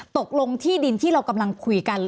ตกลงที่ดินที่เรากำลังคุยกัน